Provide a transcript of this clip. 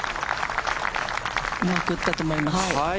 うまく打ったと思います。